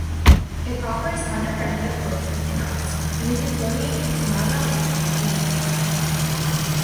It offers undergraduate courses in arts and is affiliated to Nagaland University.